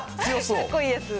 かっこいいやつ。